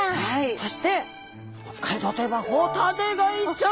そして北海道といえばホタテガイちゃん。